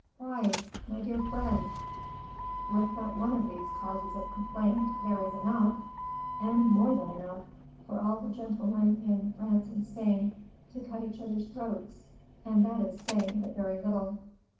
Why, my dear friend, with but one of these causes of complaint there is enough, and more than enough, for all the gentlemen in France and Spain to cut each other's throats, and that is saying but very little."